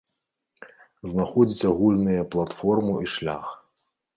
Знаходзіць агульныя платформу і шлях.